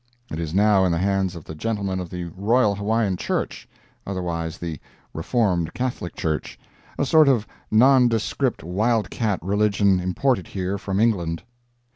(It is now in the hands of the gentlemen of the Royal Hawaiian Church, otherwise the "Reformed Catholic Church," a sort of nondescript wild cat religion imported here from England.)